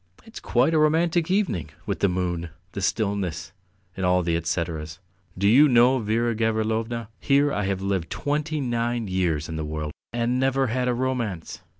It's quite a romantic evening, with the moon, the stillness, and all the etceteras. Do you know, Vera Gavrilovna, here I have lived twenty nine years in the world and never had a romance.